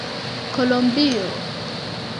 kolombio